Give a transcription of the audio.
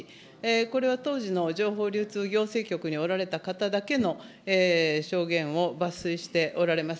これは当時の情報流通行政局におられた方だけの証言を抜粋しておられます。